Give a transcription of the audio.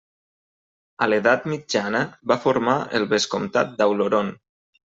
A l'edat mitjana va formar el Vescomtat d'Auloron.